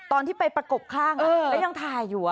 ตอนที่ไปประกบข้างไม่ต้องถ่ายอยู่อ่ะ